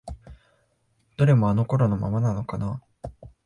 どれもあの頃のままなのかな？